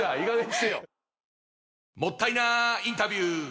もったいなインタビュー！